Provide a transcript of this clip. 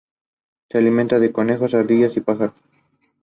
Sources comment on how young most of the group members were.